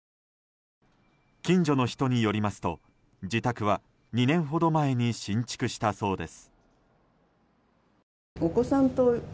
近所の人によりますと、自宅は２年ほど前に新築したそうです。